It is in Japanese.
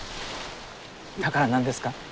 だから何ですか？